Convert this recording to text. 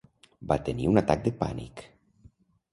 Va tenir un atac de pànic.